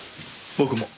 僕も。